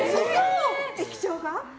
液晶が？